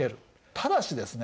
ただしですね